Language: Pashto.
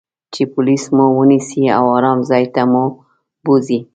چې پولیس مو و نییسي او آرام ځای ته مو بوزي.